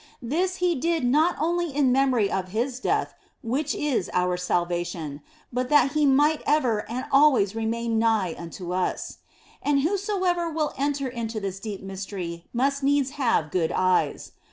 This He did not only in memory of His death, which is our salvation, but that He might ever and always remain nigh unto us. And whosoever will enter into this deep Mystery must needs have good eyes.